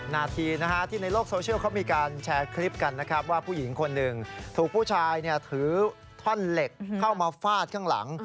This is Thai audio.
นาทีที่ในโลกโซเชียลเขามีการแชร์คลิปกันนะครับว่าผู้หญิงคนหนึ่งถูกผู้ชายถือท่อนเหล็กเข้ามาฟาดข้างหลัง